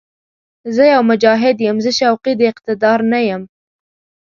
زه يو «مجاهد» یم، زه شوقي د اقتدار نه یم